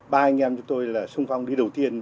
ba anh em chúng tôi là sung phong đi đầu tiên